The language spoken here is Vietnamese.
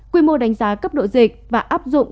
quy mô đánh giá cấp độ dịch và áp dụng